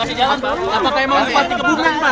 siapa yang mereka yang pak